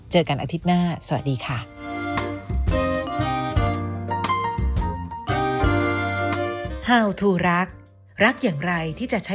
เจอกันอาทิตย์หน้าสวัสดีค่ะ